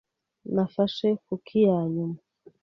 Nafashe kuki yanyuma.